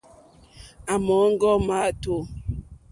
À mɔ̀ŋɡɔ́ máàtù,.